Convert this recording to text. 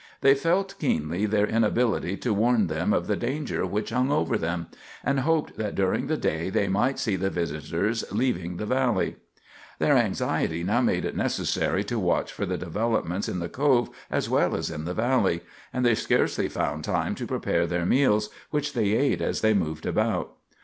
They felt keenly their inability to warn them of the danger which hung over them, and hoped that during the day they might see the visitors leaving the valley. Their anxiety now made it necessary to watch for developments in the Cove as well as in the valley, and they scarcely found time to prepare their meals, which they ate as they moved about.